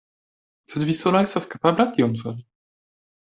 Sed vi sola estas kapabla tion fari.